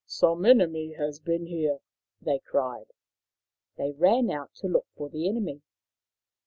" Some enemy has been here," they cried. They ran out to look for the enemy.